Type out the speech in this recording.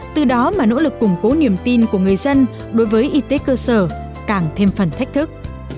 từ đó mà nỗ lực củng cố niềm tin của người dân đối với y tế cơ sở càng thêm phần thách thức